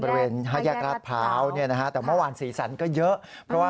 ประเวทยากราศพร้าวเมื่อวานสีสันเหอะ